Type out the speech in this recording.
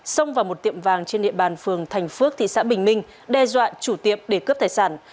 xông vào một tiệm vàng trên địa bàn phường thành phước thị xã bình minh đe dọa chủ tiệm để cướp tài sản